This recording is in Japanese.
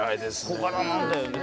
小柄なんだよね。